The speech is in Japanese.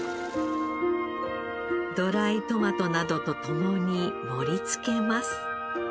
ドライトマトなどとともに盛り付けます。